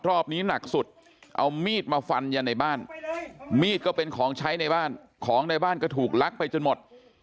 รอบนี้หนักสุดเอามีดมาฟันยันในบ้านมีดก็เป็นของใช้ในบ้านของในบ้านก็ถูกลักไปจนหมด